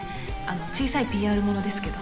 小さいＰＲものですけど。